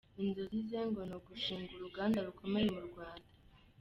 Inzozi ze ngo ni ugushinga uruganda rukomeye mu Rwanda.